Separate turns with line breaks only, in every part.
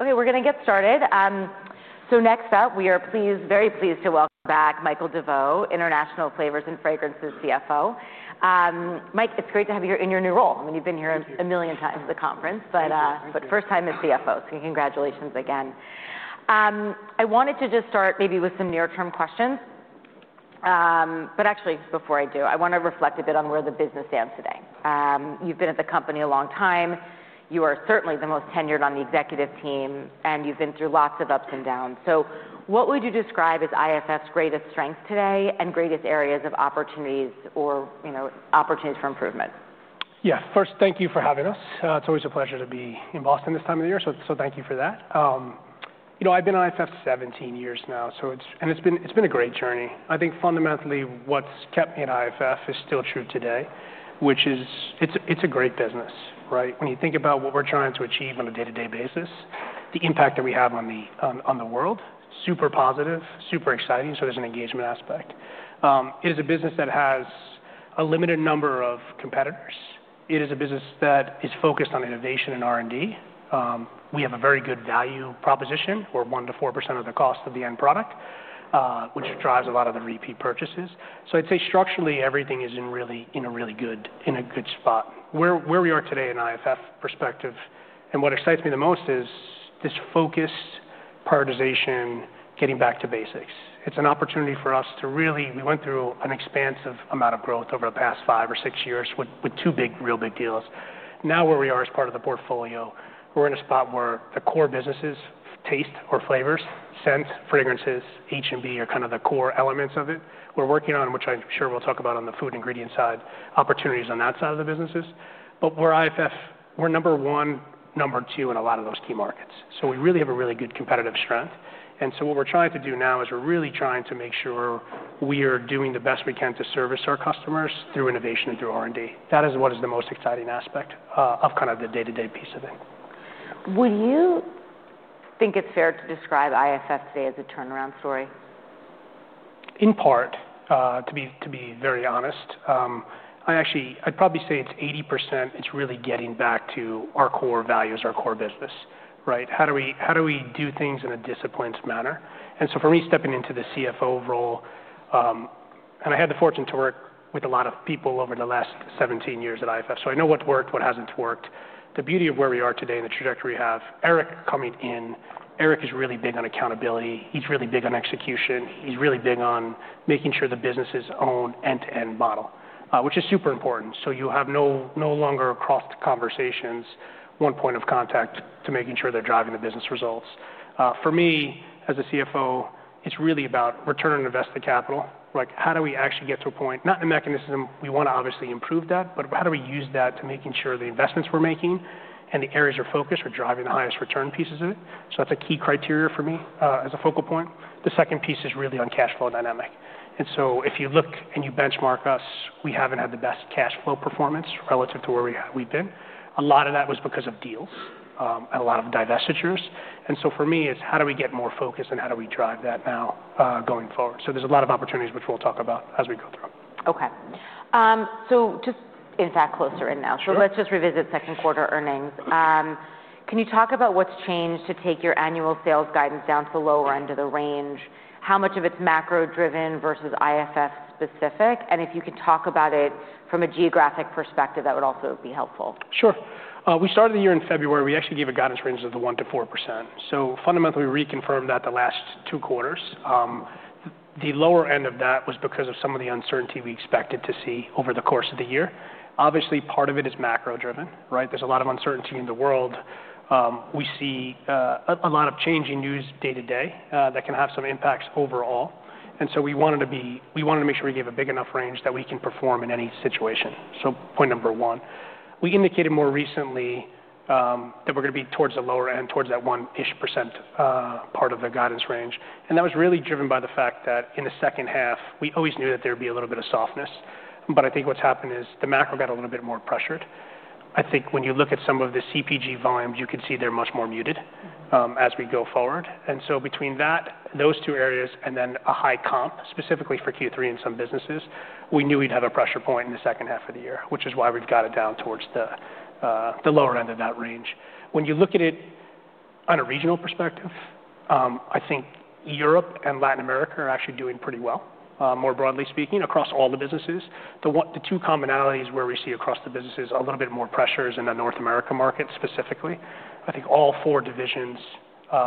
Okay. We're going to get started. So next up, we are pleased very pleased to welcome back Michael DeVoe, International Flavors and Fragrances CFO. Mike, it's great to have you here in your new role. Mean, you've been here a million times at the conference, but first time as CFO. So congratulations again. Wanted to just start maybe with some near term questions. But actually, before I do, I want to reflect a bit on where the business stands today. You've been at the company a long time. You are certainly the most tenured on the executive team, and you've been through lots of ups and downs. So what would you describe as IFF's greatest strength today and greatest areas of opportunities opportunities for improvement?
Yeah. First, thank you for having us. It's always a pleasure to be in Boston this time of the year, so thank you for that. I've been IFF seventeen years now, so it's and it's been a great journey. I think fundamentally, what's kept me in IFF is still true today, which is it's a great business, right? When you think about what we're trying to achieve on a day to day basis, the impact that we have on the world, super positive, super exciting, so there's an engagement aspect. It is a business that has a limited number of competitors. It is a business that is focused on innovation and R and D. We have a very good value proposition, or 1% to 4% of the cost of the end product, which drives a lot of the repeat purchases. So I'd say, structurally, everything is in really good in a good spot. Where we are today in IFF perspective and what excites me the most is this focused prioritization, getting back to basics. It's an opportunity for us to really we went through an expansive amount of growth over the past five or six years with two big real big deals. Now where we are as part of the portfolio, we're in a spot where the core businesses, taste or flavors, scent, fragrances, H and B are kind of the core elements of it. We're working on, which I'm sure we'll talk about on the food ingredient side, opportunities on that side of the businesses. But for IFF, we're number one, number two in a lot of those key markets. So we really have a really good competitive strength. And so what we're trying to do now is we're really trying to make sure we are doing the best we can to service our customers through innovation and through R and D. That is what is the most exciting aspect of kind of the day to day piece of it.
Would you think it's fair to describe IFF today as a turnaround story?
In part, to be very honest. I actually I'd probably say it's 80%. It's really getting back to our core values, our core business, right? How do we do things in a disciplined manner? And so for me, stepping into the CFO role, and I had the fortune to work with a lot of people over the last seventeen years at IFF. So I know what worked, what hasn't worked. The beauty of where we are today and the trajectory we have, Eric coming in, Eric is really big on accountability. He's really big on execution. He's really big on making sure the business is own end to end model, which is super important. So you have no longer across the conversations, one point of contact to making sure they're driving the business results. For me, as a CFO, it's really about return on invested capital, like how do we actually get to a point, not in mechanism we want to obviously improve that, but how do we use that to making sure the investments we're making and the areas of focus are driving the highest return pieces of it. So that's a key criteria for me as a focal point. The second piece is really on cash flow dynamic. And so if you look and you benchmark us, we haven't had the best cash flow performance relative to where we've been. A lot of that was because of deals and a lot of divestitures. And so for me, it's how do we get more focused and how do we drive that now going forward. So there's a lot of opportunities, which we'll talk about as we go through.
Okay. So just in fact closer in now. So let's just revisit second quarter earnings. Can you talk about what's changed to take your annual sales guidance down to the lower end of the range? How much of it's macro driven versus IFF specific? And if you could talk about it from a geographic perspective, that would also be helpful.
Sure. We started the year in February. We actually gave a guidance range of the 1% to 4%. So fundamentally, we reconfirmed that the last two quarters. The lower end of that was because of some of the uncertainty we expected to see over the course of the year. Obviously, part of it is macro driven, right? There's a lot of uncertainty in the world. We see a lot of changing news day to day that can have some impacts overall. And so we wanted to be we wanted to make sure we gave a big enough range that we can perform in any situation. So point number one. We indicated more recently that we're going be towards the lower end, towards that one ish percent part of the guidance range. And that was really driven by the fact that in the second half, we always knew that there would be a little bit of softness. But I think what's happened is the macro got a little bit more pressured. I think when you look at some of the CPG volumes, you can see they're much more muted, as we go forward. And so between that those two areas and then a high comp, specifically for Q3 in some businesses, we knew we'd have a pressure point in the second half of the year, which is why we've got it down towards the lower end of that range. When you look at it on a regional perspective, I think Europe and Latin America are actually doing pretty well, more broadly speaking, across all the businesses. The two commonalities where we see across the businesses a little bit more pressure is in the North America market specifically. I think all four divisions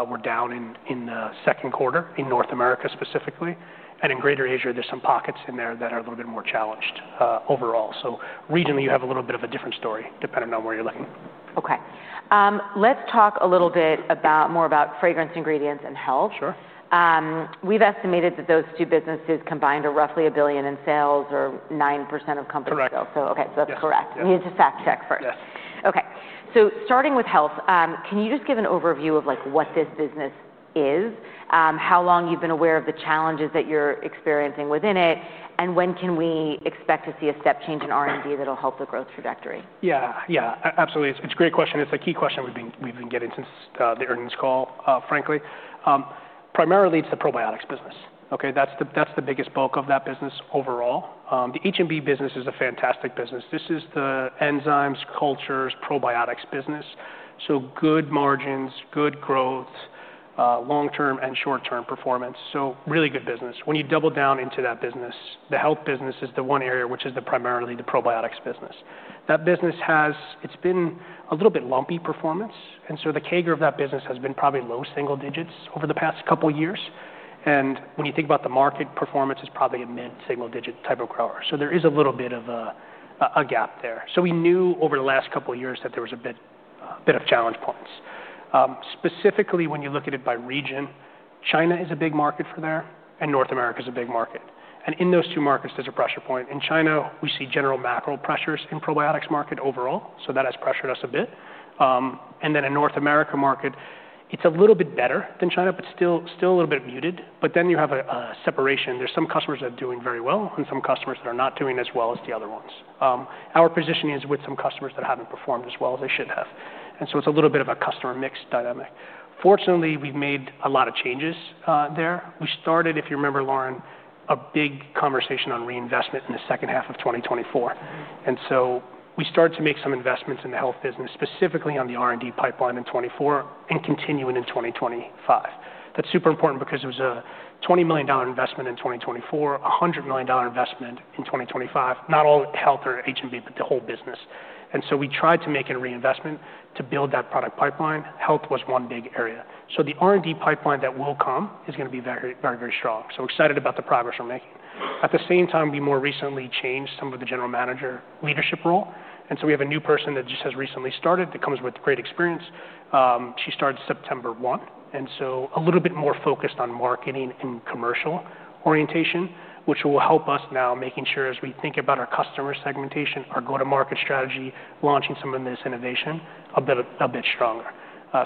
were down in the second quarter in North America specifically. And in Greater Asia, there's some pockets in there that are a little bit more challenged overall. So regionally, have a little bit of a different story depending on where you're looking.
Okay. Let's talk a little bit about more about Fragrance Ingredients and Health. Sure. We've estimated that those two businesses combined are roughly $1,000,000,000 in sales or 9% of company Correct. Okay, that's correct. We need to fact check first. Okay. So starting with Health, can you just give an overview of like what this business is? How long you've been aware of the challenges that you're experiencing within it? And when can we expect to see a step change in R and D that will help the
Yes. Yes. Absolutely. It's a great question. It's a key question we've been getting since the earnings call, frankly. Primarily, it's the probiotics business, okay? That's the biggest bulk of that business overall. The H and B business is a fantastic business. This is the enzymes, cultures, cultures, probiotics business. So good margins, good growth, long term and short term performance. So really good business. When you double down into that business, the health business is the one area which is primarily the probiotics business. That business has it's been a little bit lumpy performance. And so the CAGR of that business has been probably low single digits over the past couple of years. And when you think about the market performance, it's probably a mid single digit type of grower. So there is a little bit of a gap there. So we knew over the last couple of years that there was a bit of challenge points. Specifically, when you look at it by region, China is a big market for there and North America is a big market. And in those two markets, there's a pressure point. In China, we see general macro pressures in probiotics market overall, so that has pressured us a bit. And then in North America market, it's a little bit better than China, but still a little bit muted. But then you have a separation. There are some customers that are doing very well and some customers that are not doing as well as the other ones. Our position is with some customers that haven't performed as well as they should have. And so it's a little bit of a customer mix dynamic. Fortunately, we've made a lot of changes there. We started, if you remember, Lauren, a big conversation on reinvestment in the 2024. And so we started to make some investments in the Health business, specifically on the R and D pipeline in 'twenty four and continuing in 2025. That's super important because it was a $20,000,000 investment in 2024, dollars 100,000,000 investment in 2025, not all health or H and B, but the whole business. And so we tried to make a reinvestment to build that product pipeline. Health was one big area. So the R and D pipeline that will come is going to be very, very strong. So we're excited about the progress we're making. At the same time, we more recently changed some of the general manager leadership role. And so we have a new person that just has recently started that comes with great experience. She started September 1. And so a little bit more focused on marketing and commercial orientation, which will help us now making sure as we think about our customer segmentation, our go to market strategy, launching some of this innovation a bit stronger.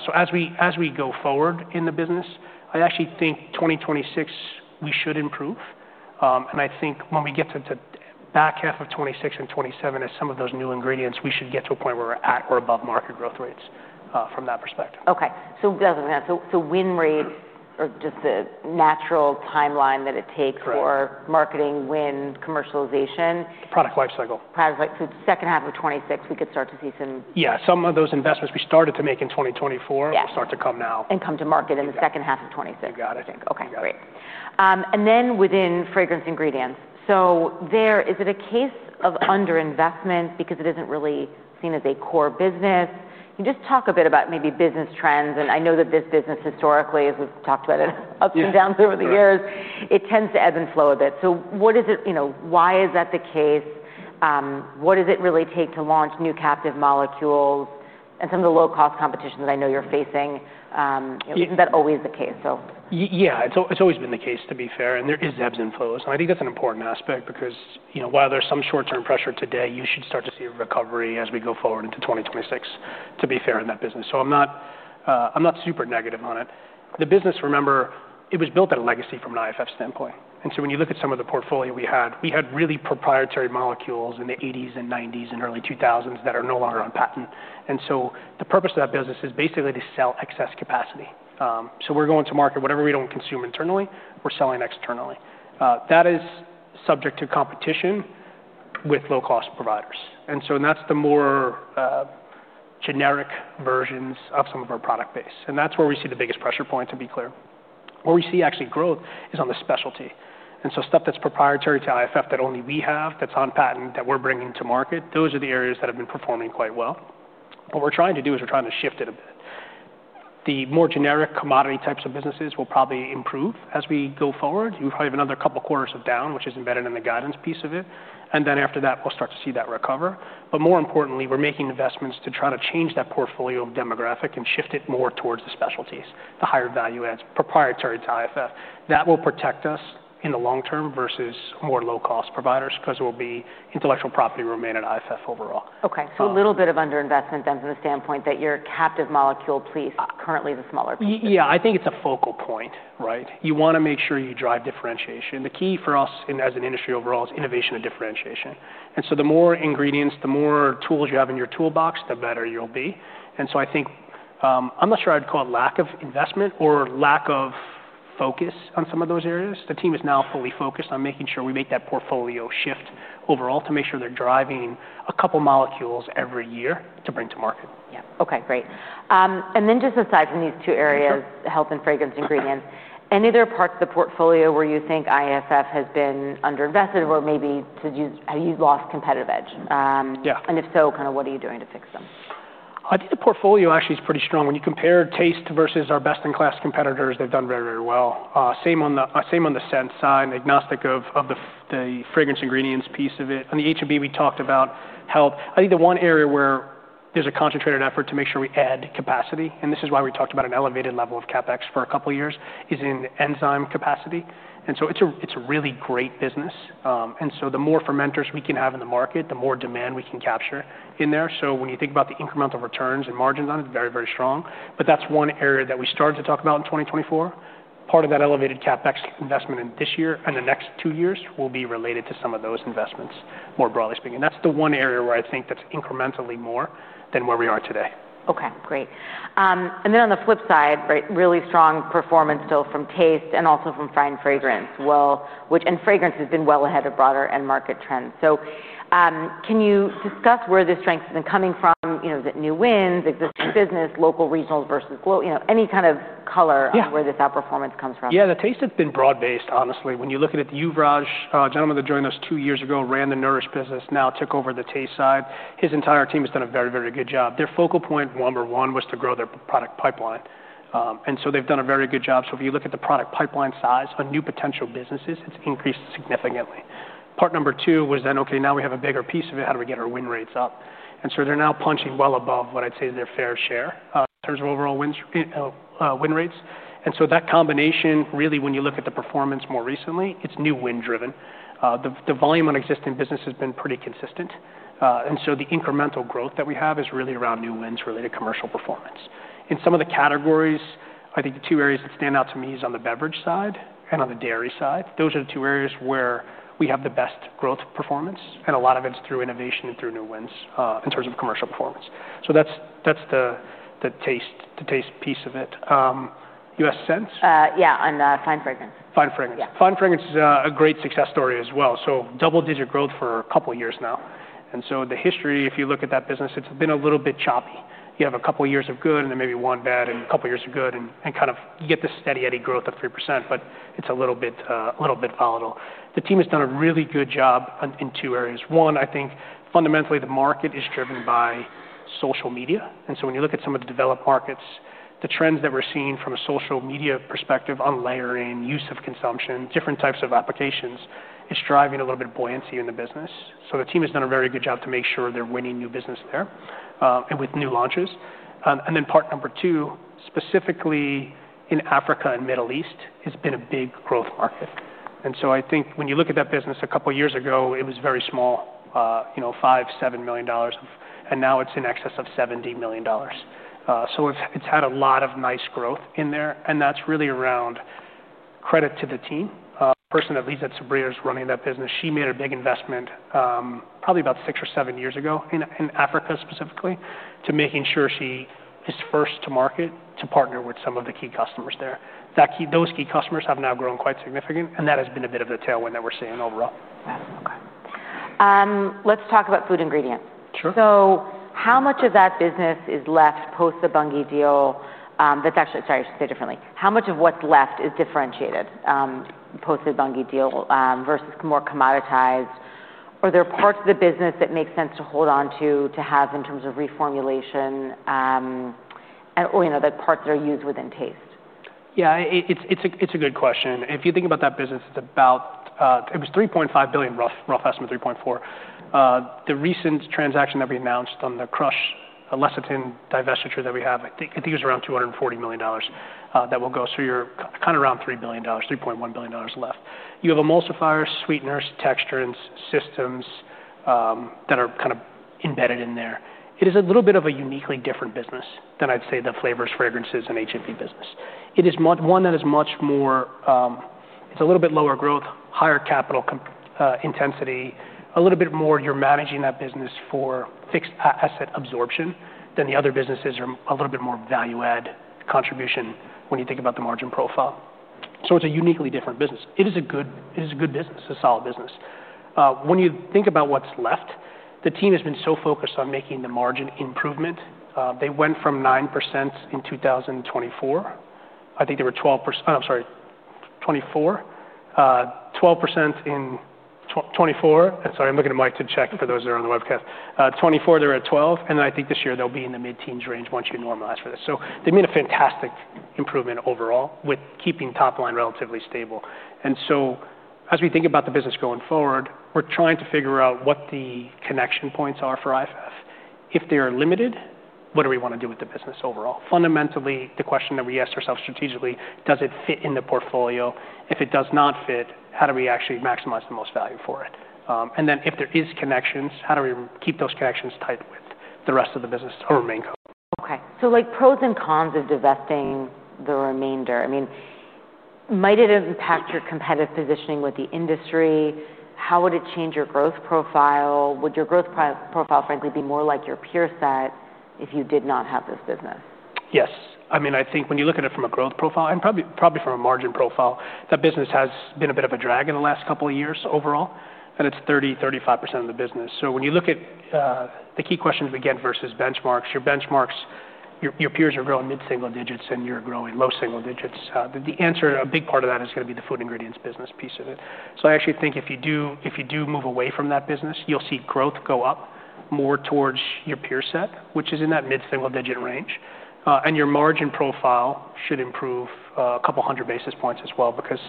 So as we go forward in the business, I actually think 2026, we should improve. And I think when we get to the back half of 'twenty six and 'twenty seven as some of those new ingredients, we should get to a point where we're at or above market growth rates from that perspective.
Okay. So it doesn't matter. So win rates or just the natural time line that it takes for marketing win commercialization?
Life cycle.
Product Product life cycle. '6, we could start to see some
Yes. Some of those investments we started to make in 2024 will start to come now.
Yes. And come to market in the '6, it. I Okay. Great. And then within Fragrance Ingredients. So there, is it a case of underinvestment because it isn't really seen as a core business? Can you just talk a bit about maybe business trends? And I know that this business historically, as we've talked about it, ups and downs over the So years, it tends to ebb and flow a what is it why is that the case? What does it really take to launch new captive molecules and some of the low cost competition that I know you're facing? Isn't that always the case?
Yes. It's always been the case, to be fair. And there is ebbs and flows. And I think that's an important aspect because while there's some short term pressure today, you should start to see a recovery as we go forward into 2026, to be fair, in that business. So I'm not super negative on it. The business, remember, it was built at a legacy from an IFF standpoint. And so when you look at some of the portfolio we had, we had really proprietary molecules in the '80s and '90s and early 2000s that are no longer on patent. And so the purpose of that business is basically to sell excess capacity. So we're going to market whatever we don't consume internally, we're selling externally. That is subject to competition with low cost providers. And so and that's the more generic versions of some of our product base. And that's where we see the biggest pressure point, to be clear. Where we see actually growth is on the specialty. And so stuff that's proprietary to IFF that only we have, that's on patent, that we're bringing to market, those are the areas that have been performing quite well. What we're trying to do is we're trying to shift it a bit. The more generic commodity types of businesses will probably improve as we go forward. You probably have another couple of quarters of down, which is embedded in the guidance piece of it. And then after that, we'll start to see that recover. But more importantly, we're making investments to try to change that portfolio of demographic and shift it more towards the specialties, the higher value adds proprietary to IFF. That will protect us in the long term versus more low cost providers because it will be intellectual property remain at IFF overall.
Okay. So a little bit of underinvestment then from the standpoint that you're captive molecule, please, currently the smaller piece?
Yes. I think it's a focal point, right? You want to make sure you drive differentiation. The key for us as an industry overall is innovation and differentiation. And so the more ingredients, the more tools you have in your toolbox, the better you'll be. And so I think I'm not sure I'd call it lack of investment or lack of focus on some of those areas. The team is now fully focused on making sure we make that portfolio shift overall to make sure they're driving a couple of molecules every year to bring to market.
Yes. Okay. Great. And then just aside from these two areas, Health and Fragrance Ingredients, any other parts of the portfolio where you think IFF has been underinvested? Or maybe did you have you lost competitive edge? And if so, kind of what are you doing to fix them?
I think the portfolio actually is pretty strong. When you compare taste versus our best in class competitors, they've done very, very well. Same on the scent side, agnostic of the fragrance ingredients piece of it. On the H and B, we talked about health. I think the one area where there's a concentrated effort to make sure we add capacity, and this is why we talked about an elevated level of CapEx for a couple of years, is in enzyme capacity. And so it's a really great business. And so the more fermenters we can have in the market, the more demand we can capture in there. So when you think about the incremental returns and margins on it, very, very strong. But that's one area that we started to talk about in 2024. Part of that elevated CapEx investment in this year and the next two years will be related to some of those investments, more broadly speaking. And that's the one area where I think that's incrementally more than where we are today.
Okay. Great. And then on the flip side, right, really strong performance still from taste and also from fine fragrance, well, which and fragrance has been well ahead of broader end market trends. So can you discuss where the strength has been coming from? Is it new wins, existing business, local, regional versus global? Any kind of color on where this outperformance comes from?
Yes. The taste has been broad based, honestly. When you look at the Uvraj, a gentleman that joined us two years ago, ran the Nourish business, now took over the taste side. His entire team has done a very, very good job. Their focal point, number one, was to grow their product pipeline. And so they've done a very good job. So if you look at the product pipeline size of new potential businesses, it's increased significantly. Part number two was then, okay, now we have a bigger piece of it, how do we get our win rates up? And so they're now punching well above what I'd say is their fair share in in terms of overall win rates. And so that combination, really, when you look at the performance more recently, it's new win driven. The volume on existing business has been pretty consistent. And so the incremental growth that we have is really around new wins related to commercial performance. In some of the categories, I think the two areas that stand out to me is on the beverage side and on the dairy side. Those are the two areas where we have the best growth performance, and a lot of it is through innovation and through new wins in terms of commercial performance. So that's the taste piece of it. U. S. Scents?
Yes. On Fine Fragrance.
Fine Fragrance. Fine Fragrance is a great success story as well. So double digit growth for a couple of years now. And so the history, if you look at that business, it's been a little bit choppy. You have a couple of years of good and then maybe one bad and a couple of years of good and kind of you get the steady Eddie growth of 3%, but it's a little bit volatile. The team has done a really good job in two areas. One, I think fundamentally, market is driven by social media. And so when you look at some of the developed markets, the trends that we're seeing from a social media perspective on layering, use of consumption, different types of applications is driving a little bit of buoyancy in the business. So the team has done a very good job to sure they're winning new business there and with new launches. And then part number two, specifically in Africa and Middle East, it's been a big growth market. And so I think when you look at that business a couple of years ago, it was very small, 5,000,000, dollars 7,000,000. And now it's in excess of $70,000,000 So it's had a lot of nice growth in there, and that's really around credit to the team. A person at least at Sabria is running that business. She made a big investment probably about six or seven years Africa specifically to making sure she is first to market to partner with some of the key customers there. That key those key customers have now grown quite significant, and that has been a bit of the tailwind that we're seeing overall.
Okay. Let's talk about Food Ingredients. So how much of that business is left post the Bunge deal? That's actually sorry, should say it differently. How much of what's left is differentiated post the Bunge deal versus more commoditized? Are there parts of the business that make sense to hold on to have in terms of reformulation the parts that are used within taste?
Yes. It's a good question. If you think about that business, it's about it was $3,500,000,000 rough estimate, 3.4 The recent transaction that we announced on the crush, Alessitin divestiture that we have, I think was around $240,000,000 that will go through your kind of around $3,000,000,000 $3,100,000,000 left. You have emulsifiers, sweeteners, texturants, systems that are kind of embedded in there. It is a little bit of a uniquely different business than I'd say the Flavors, Fragrances and H and P business. It is one that is much more it's a little bit lower growth, higher capital intensity, a little bit more you're managing that business for fixed asset absorption than the other businesses are a little bit more value add contribution when you think about the margin profile. So it's a uniquely different business. It is a good business, a solid business. When you think about what's left, the team has been so focused on making the margin improvement. They went from 9% in 2024. I think they were 12% I'm sorry, 2024. 12% in 24%. I'm I'm looking at Mike to check for those that are on the webcast. 24%, they were at 12%. And I think this year, they'll be in the mid teens range once you normalize for this. So they made a fantastic improvement overall with keeping top stable. And so as we think about the business going forward, we're trying to figure out what the connection points are for IFF. If they are limited, what do we want to do with the business overall? Fundamentally, the question that we ask ourselves strategically, does it fit in the portfolio? If it does not fit, how do we actually maximize the most value for it? And then if there is connections, how do we keep those connections tight with the rest of the business or remain co.
Okay. So like pros and cons of divesting the remainder. I mean, might it have impacted your competitive positioning with the industry? How would it change your growth profile? Would your growth profile, frankly, be more like your peer set if you did not have this business?
Yes. I mean, I think when you look at it from a growth profile and probably from a margin profile, that business has been a bit of a drag in the last couple of years overall, and it's 30%, 35% of the business. So when you look at the key questions, again, versus benchmarks, your benchmarks your peers are growing mid single digits and you're growing low single digits. The answer a big part of that is going to be the Food Ingredients business piece of it. So I actually think if you do move away from that business, you'll see growth go up more towards your peer set, which is in that mid single digit range. And your margin profile should improve a couple of 100 basis points as well because,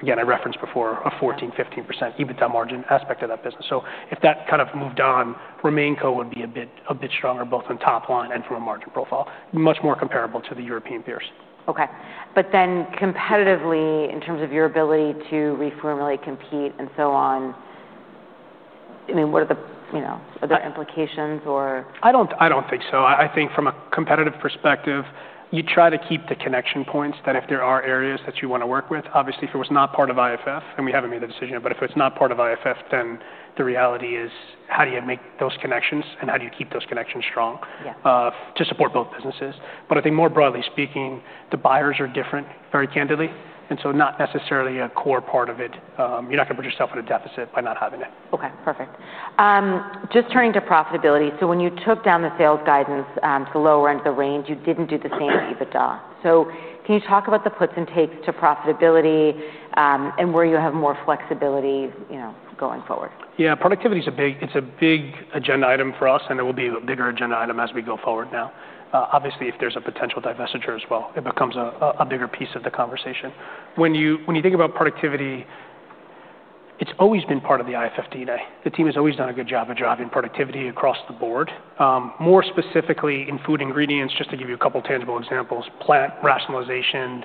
again, I referenced before a 14%, 15% EBITDA margin aspect of that business. So if that kind of moved on, RemainCo would be a bit stronger both on top line and from a margin profile, much more comparable to the European peers.
Okay. But then competitively, in terms of your ability to reformulate compete and so on, I mean, what are the implications or?
I don't think so. I think from a competitive perspective, you try to keep the connection points than if there are areas that you want to work with. Obviously, if it was not part of IFF, and we haven't made the decision yet, but if it's not part of IFF, then the reality is how do you make those connections and how do you keep those connections strong to support both businesses. But I think more broadly speaking, the buyers are different, very candidly, and so not necessarily a core part of it. You're not going put yourself at a deficit by not having it.
Okay. Perfect. Just turning to profitability. So when you took down the sales guidance to lower end of the range, you didn't do the same EBITDA. So can you talk about the puts and takes to profitability and where you have more flexibility going forward?
Yes. Productivity is a big it's a big agenda item for us, and it will be a bigger agenda item as we go forward now. Obviously, if there's a potential divestiture as well, it becomes a bigger piece of the conversation. When you think about productivity, it's always been part of the IFFT day. The team has always done a good job of driving productivity across the board. More specifically, in Food Ingredients, just to give you a couple of tangible examples, plant rationalization,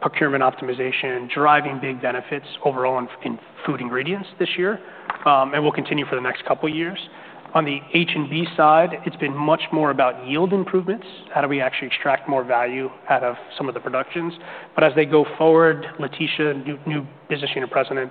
procurement optimization, driving big benefits overall in Food Ingredients this year and will continue for the next couple of years. On the H and B side, it's been much more about yield improvements, how do we actually extract more value out of some of the productions. But as they go forward, Leticia, new business unit president,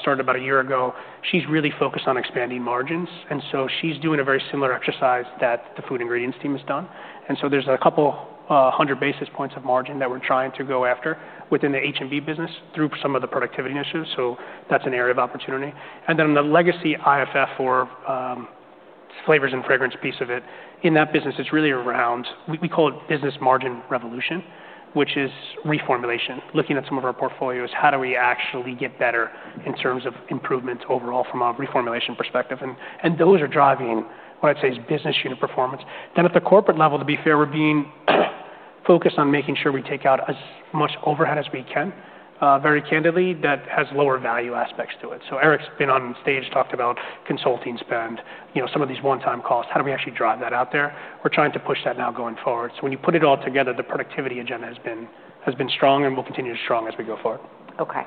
started about a year ago, she's really focused on expanding margins. And so she's doing a very similar exercise that the Food Ingredients team has done. And so there's a couple 100 basis points of margin that we're trying to go after within the H and B business through some of the productivity initiatives. So that's an area of opportunity. And then the legacy IFF or Flavors and Fragrance piece of it, in that business, it's really around we call it business margin revolution, which is reformulation, looking at some of our portfolios, how do we actually get better in terms of improvements overall from a reformulation perspective. And those are driving, what I'd say, is business unit performance. Then at the corporate level, to be fair, we're being focused on making sure we take out as much overhead as we can, very candidly, that has lower value aspects to it. So Eric's been on stage, talked about consulting spend, some of these onetime costs. How do we actually drive that out there? We're trying to push that now going forward. So when you put it all together, productivity agenda has been strong and will continue to be strong as we go forward.
Okay.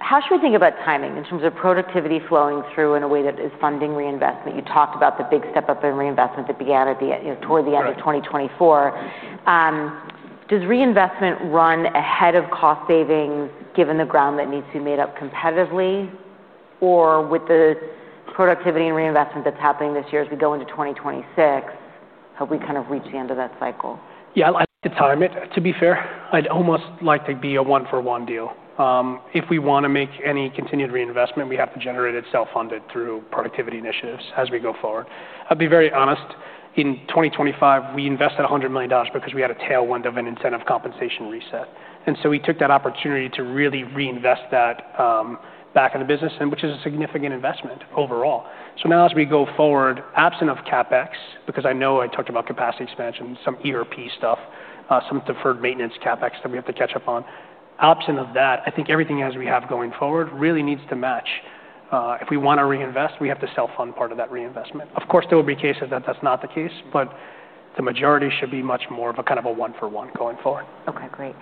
How should we think about timing in terms of productivity flowing through in a way that is funding reinvestment? You talked about the big step up in reinvestment that began at the toward the end Does of 2020 reinvestment run ahead of cost savings given the ground that needs to be made up competitively? Or with the productivity and reinvestment that's happening this year as we go into 2026, have we kind of reached the end of that cycle?
Yes. I'd like to time it, to be fair. I'd almost like to be a one for one deal. If we continued reinvestment, we have to generate it self funded through productivity initiatives as we go forward. I'll be very honest, in 2025, we invested $100,000,000 because we had a tailwind of an incentive compensation reset. And so we took that opportunity to really reinvest that back in the business, and which is a significant investment overall. So now as we go forward, absent of CapEx, because I know I talked about capacity expansion, some ERP stuff, some deferred maintenance CapEx that we have to catch up on. Absent of that, I think everything else we have going forward really needs to match. If we want to reinvest, we have to self fund part of that reinvestment. Of course, there will be a case that that's not the case, but the majority should be much more of a kind of a one for one going forward.
Okay, great.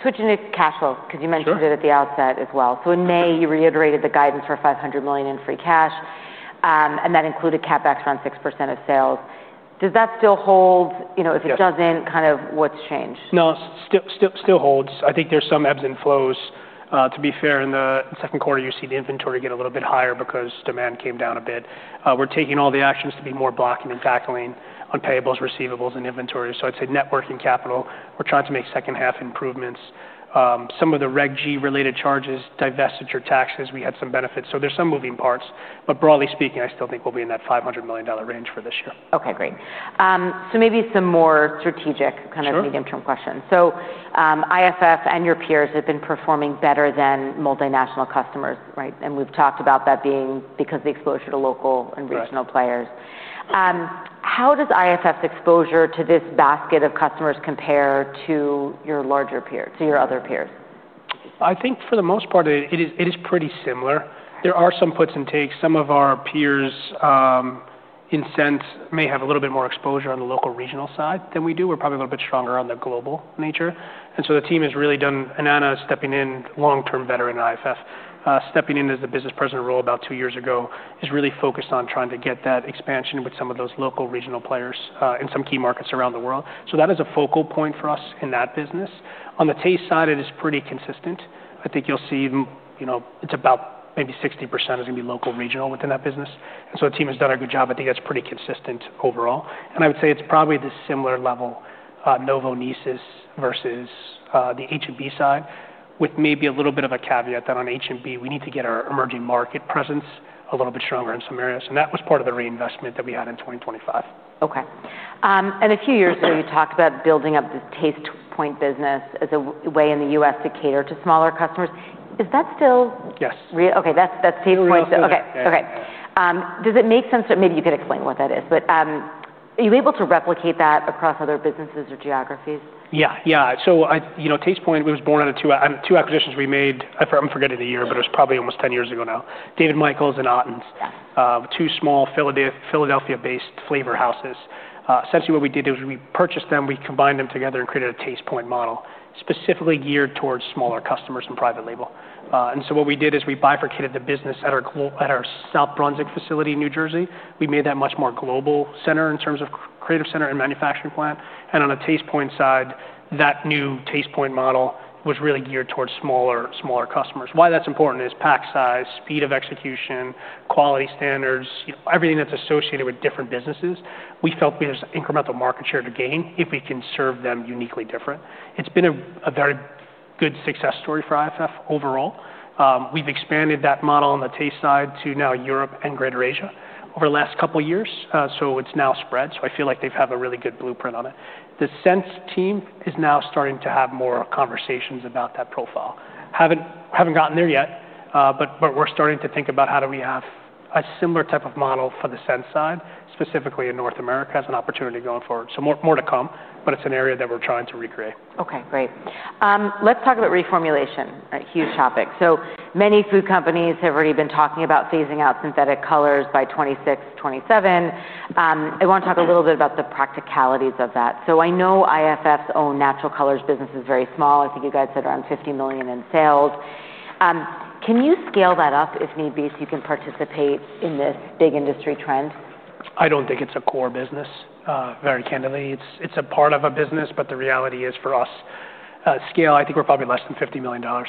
Switching to cash flow because you mentioned So it at the outset as in May, you reiterated the guidance for $500,000,000 in free cash, and that included CapEx around 6% of sales. Does that still hold? If it doesn't, kind of what's changed?
No, still holds. I think there's some ebbs and flows. To be fair, in the second quarter, see the inventory get a little bit higher because demand came down a bit. We're taking all the actions to be more blocking and tackling on payables, receivables and inventory. So I'd say net working capital, we're trying to make second half improvements. Some of the Reg G related charges, divestiture taxes, we had some benefits. So there's some moving parts. But broadly speaking, I still think we'll be in that $500,000,000 range for this year.
Great. Maybe some more strategic So medium term IFF and your peers have been performing better than multinational customers, right? And we've talked about that being because of the exposure to local and regional How does IFF's exposure to this basket of customers compare to your larger peers to your other peers?
I think for the most part, it is pretty similar. There are some puts and takes. Some of our peers in sense may have a little bit more exposure on the local regional side than we do. We're probably a little bit stronger on the global nature. And so the team has really done and Anna is stepping in long term better in IFF, stepping in as the business president role about two years ago, is really focused on trying to get that expansion with some of those local regional players in some key markets around the world. So that is a focal point for us in that business. On the taste side, it is pretty consistent. I think you'll see it's about maybe 60% is going be local regional within that business. And so the team has done a good job. Think that's pretty consistent overall. And I would say it's probably the similar level, Novo Niesis versus the H and B side with maybe a little bit of a caveat that on H and B, we need to get our emerging market presence a little bit stronger in some areas. And that was part of the reinvestment that we had in 2025.
Okay. And a few years ago, you talked about building up the Tastepoint business as a way in The U. S. To cater to smaller customers. Is that still Yes. Okay. That's Tastepoint. Okay. It make sense that maybe you could explain what that is. But are you able to replicate that across other businesses or geographies?
Yes. Yes. So TastePoint was born out of two acquisitions we made. I'm forgetting the year, but it was probably almost ten years ago now. David Michaels and Ottens, two small Philadelphia based flavor houses. Essentially, what we did is we purchased them, we combined them together and created a taste point model, specifically geared towards smaller customers and private label. And so what we did is we bifurcated the business at our South Brunswick facility in New Jersey. We made that much more global center in terms of creative center and manufacturing plant. And on the taste point side, that new taste point model was really geared towards smaller customers. Why that's important is pack size, speed of execution, quality standards, everything that's associated with different businesses, we felt we have incremental market share to gain if we can serve them uniquely different. It's been a very good success story for IFF overall. We've expanded that model on the taste side to now Europe and Greater Asia over the last couple of years. So it's now spread. So I feel like they have a really good blueprint on it. The Sense team is now starting to have more conversations about that profile. Haven't gotten there yet, but we're starting to think about how do we have a similar type of model for the scent side, specifically in North America as an opportunity going forward. So more to come, but it's an area that we're trying to recreate.
Okay. Great. Let's talk about reformulation, a huge topic. So many food companies have already been talking about phasing out synthetic colors by twenty twenty six, twenty seven. I want to talk a little bit about the practicalities of that. So I know IFF's own natural colors business is very small. I think you guys said around $50,000,000 in sales. Can you scale that up, if need be, so you can participate in this big industry trend?
I don't think it's a core business, very candidly. It's a part of a business, but the reality is for us, scale, I think we're probably less than $50,000,000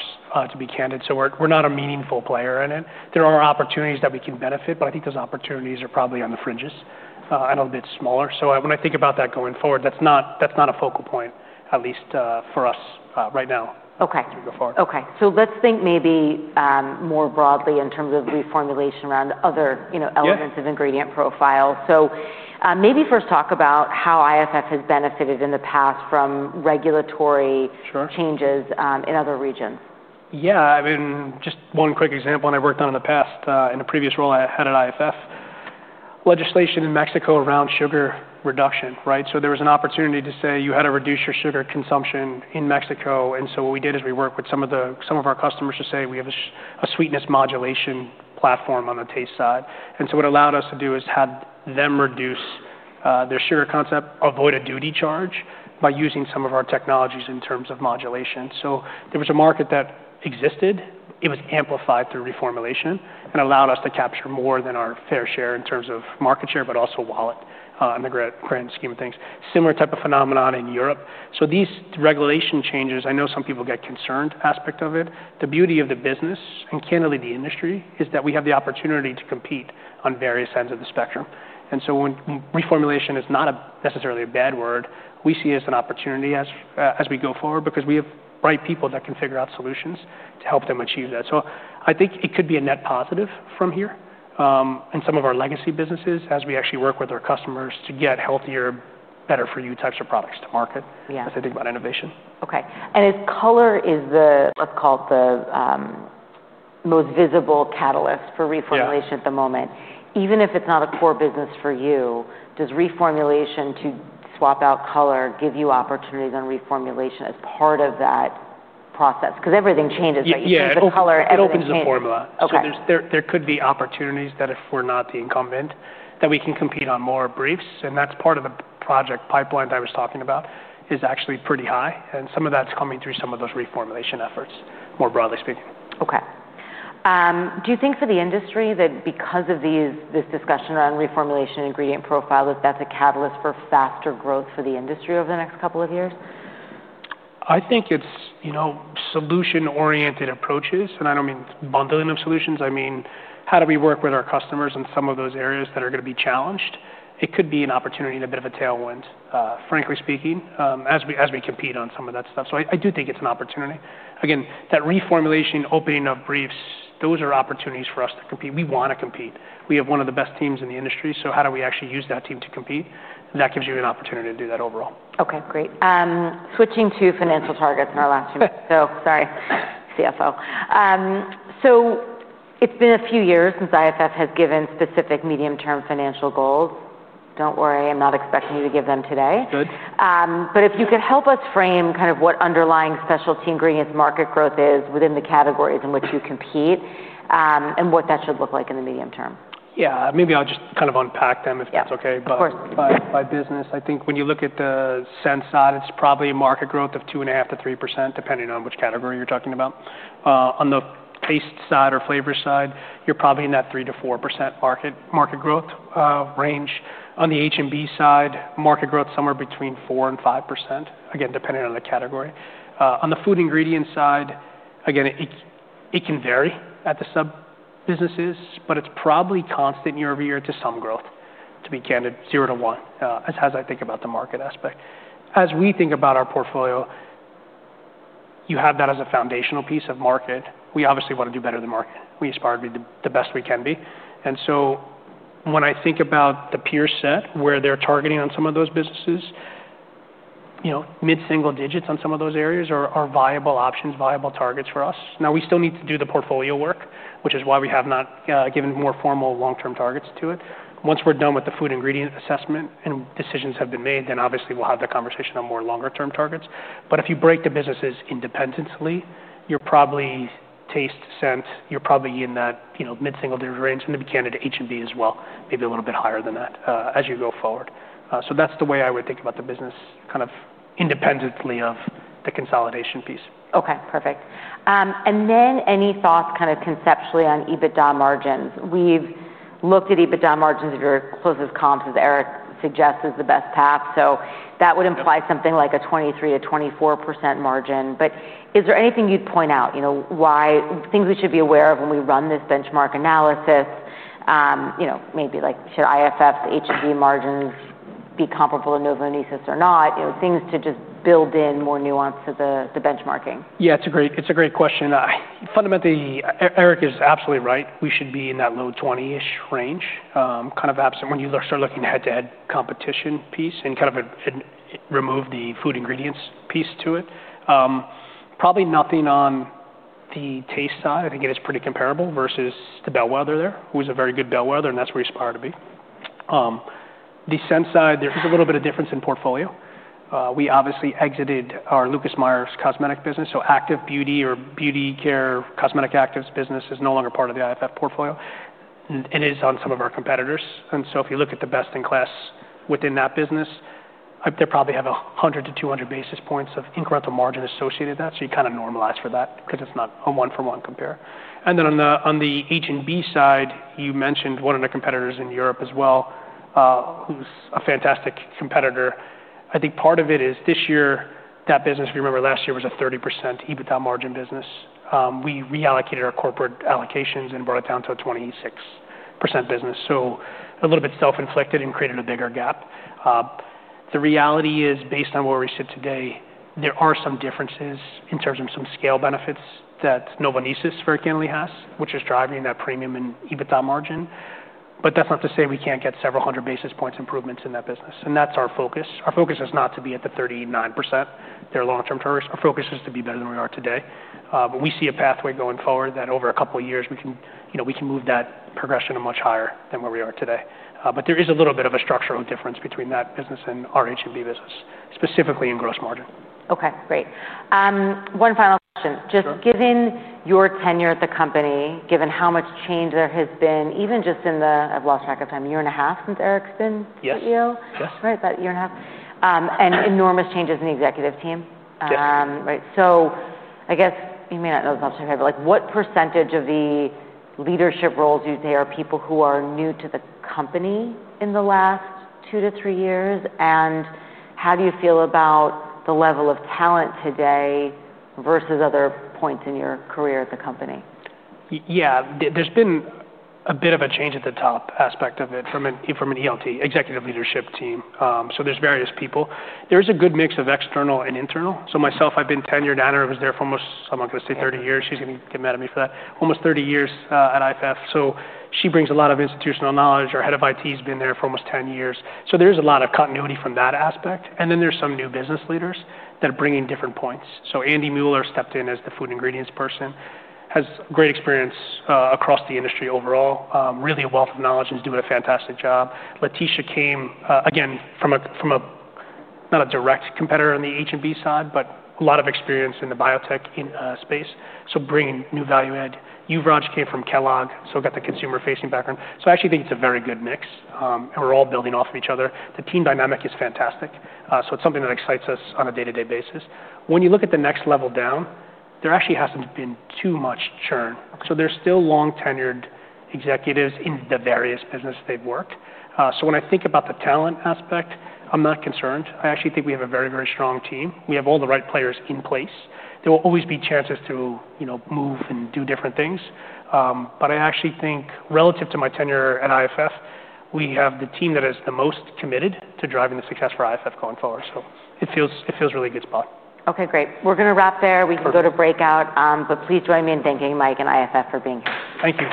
to be candid. So we're not a meaningful player in it. There are opportunities that we can benefit, but I think those opportunities are probably on the fringes and a little bit smaller. So when I think about that going forward, that's not a focal point, at least for us right now.
Okay. So let's think maybe more broadly in terms of reformulation around other elements So of ingredient maybe first talk about how IFF has benefited in the past from regulatory in other regions?
Yes. I mean just one quick example, and I worked on in the past in a previous role I had at IFF, legislation in Mexico around sugar reduction, right? So there was an opportunity to say you had to reduce your sugar consumption in Mexico. And so what we did is we worked with our some customers to say we have a sweetness modulation platform on the taste side. And so what allowed us to do is have them reduce their sugar concept, avoid a duty charge by using some of our technologies in terms of modulation. So there was a market that existed. It was amplified through reformulation and allowed us to capture more than our fair share in terms of market share but also wallet in the grand scheme of things. Similar type of phenomenon in Europe. So these regulation changes, I know some people get concerned aspect of it. The beauty of the business and candidly the industry is that we have the opportunity to compete on various ends of the spectrum. And so reformulation is not necessarily a bad word. We see it as an opportunity as we go forward because we have bright people that can figure out solutions to help them achieve that. So I think it could be a net positive from here in some of our legacy businesses as we actually work with our customers to get healthier, better better for you types of products to market as they think about innovation.
Okay. And if color is the, let's call it, the most visible catalyst for reformulation at the moment, even if it's not a core business for you, does reformulation to swap out color give you opportunities on reformulation as part of that process? Because everything changes, right? You change the color, everything It's formula.
There could be opportunities that if we're not the incumbent that we can compete on more briefs. And that's part of the project pipeline that I was talking about is actually pretty high. And some of that's coming through some of those reformulation efforts, more broadly speaking.
Okay. Do you think for the industry that because of these this discussion around reformulation ingredient profile, that that's a catalyst for faster growth for the industry over the next couple of years?
I think it's solution oriented approaches. And I don't mean bundling of solutions. I mean how do we work with our customers in some of those areas that are going to be challenged. It could be an opportunity and a bit of a tailwind, frankly speaking, as we compete on some of that stuff. So I do think it's an opportunity. Again, that reformulation, opening up briefs, those are opportunities for us to compete. We want to compete. We have one of the best teams in the industry. So how do we actually use that team to compete? And that gives you an opportunity to do that overall.
Okay. Great. Switching to financial targets and our last two minutes. So sorry, CFO. So it's been a few years since IFF has given specific medium term financial goals. Don't worry, I'm not expecting you to give them today. But if you could help us frame kind of what underlying Specialty Ingredients market growth is within the categories in which you compete and what that should look like in the medium term.
Yes. Maybe I'll just kind of unpack them if that's Yes. But by business, I think when you look at the scent side, it's probably a market growth of 2.5% to 3% depending on which category you're talking about. On the taste side or flavor side, you're probably in that 3% to 4% market growth range. On the H and B side, market growth somewhere between 45%, again, depending on the category. On the food ingredients side, again, it can vary at the sub businesses, but it's probably constant year over year to some growth, to be candid, zero to one, as I think about the market aspect. As we think about our portfolio, you have that as a foundational piece of market. We obviously want to do better than market. We aspire to be the best we can be. And so when I think about the peer set where they're targeting on some of those businesses, mid single digits on some of those areas are viable options, viable targets for us. Now we still need to do the portfolio work, which is why we have not given more formal long term targets to it. Once we're done with the food ingredient assessment and decisions have been made, then obviously, we'll have the conversation on more longer term targets. But if you break the businesses independently, you're probably taste, scent, you're probably in that mid single digit range. And then we can at H and B as well, maybe a little bit higher than that as you go forward. So that's the way I would think about the business kind of independently of the consolidation piece.
Okay. Perfect. And then any thoughts kind of conceptually on EBITDA margins? We've looked at EBITDA margins at your closest comps, as Eric suggests, is the best path. That would imply something like a 23% margin. But is there anything you'd point out why things we should be aware of when we run this benchmark analysis, maybe like should IFF, H and D margins be comparable in NovoNiesis or not, things to just build in more nuance to the benchmarking.
Yes, it's great question. Fundamentally, Eric is absolutely right. We should be in that low-twenty ish range, kind of absent when you start looking head to head competition piece and kind of remove the food ingredients piece to it. Probably nothing on the taste side. I think it is pretty comparable versus the bellwether there, who is a very good bellwether, that's where we aspire to be. The scent side, there's a little bit of difference in portfolio. We obviously exited our Lucas Meyer's cosmetic business. So active beauty or Beauty Care cosmetic actives business is no longer part of the IFF portfolio and is on some of our competitors. And so if you look at the best in class within that business, they probably have 100 basis to 200 basis points of incremental margin associated with that. So you kind of normalize for that because it's not a one for one compare. And then on the H and B side, you mentioned one of the competitors in Europe as well, who's a fantastic competitor. I think part of it is this year, that business, if you remember last year, was a 30% EBITDA margin business. We reallocated our corporate allocations and brought it down to a 26% business. So a little bit self inflicted and created a bigger gap. The reality is, based on where we sit today, there are some differences in terms of some scale benefits that NovoNesis, frankly, has, which is driving that premium and EBITDA margin. But that's not to say we can't get several 100 basis points improvements in that business. And that's our focus. Our focus is not to be at the 39%. They're long term targets. Our focus is to be better than we are today. But we see a pathway going forward that over a couple of years, can move that progression to much higher than where we are today. But there is a little bit of a structural difference between that business and our H and B business, specifically in gross margin.
Okay, great. One final question. Just given your tenure at the company, given how much change there has been, even just in the I've lost track of time, one years point since Eric's been Yes. CEO, right, about one point enormous changes in the executive team, So I guess, you may not know if I'm sure
you have, but
like what percentage of the leadership roles you say are people who are new to the company in the last two to three years? And how do you feel about the level of talent today versus other points in your career at the company?
Yes. There's been a bit of a change at the top aspect of it from an ELT, executive leadership team. So there's various people. There's a good mix of external and internal. So myself, I've been tenured. Anna was there for almost I'm not going say thirty years. She's going get mad at me for that almost thirty years at IFF. So she brings a lot of institutional knowledge. Our Head of IT has been there for almost ten years. So there's a lot of continuity from that aspect. And then there are some new business leaders that are bringing different points. So Andy Mueller stepped in as the food ingredients person, has great experience across the industry overall, really a wealth of knowledge and is doing a fantastic job. Leticia came, again, from a not a direct competitor on the H and B side, but a lot of experience in the biotech space, so bringing new value add. Uvranche came from Kellogg, so got the consumer facing background. So I actually think it's a very good mix. We're all building off of each other. The team dynamic is fantastic. So it's something that excites us on a day to day basis. When you look at the next level down, there actually hasn't been too much churn. So there's still long tenured executives in the various businesses they've worked. So when I think about the talent aspect, I'm not concerned. I actually think we have a very, very strong team. We have all the right players in place. There will always be chances to move and do different things. But I actually think relative to my tenure at IFF, we have the team that is the most committed to driving the success for IFF going forward. So it feels really a good spot.
Okay, great. We're going to wrap there. We can go to breakout. But please join me in thanking Mike and IFF for being here.
Thank you.